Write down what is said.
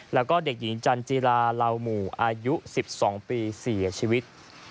แล้วก็เด็กหญิงจันจิราเหล่าหมู่อายุ๑๒ปีเสียชีวิต